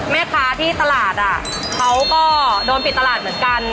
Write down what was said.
แม่ค้าที่ตลาดเขาก็โดนปิดตลาดเหมือนกัน